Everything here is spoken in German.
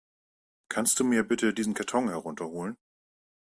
Kannst du mir bitte diesen Karton herunter holen?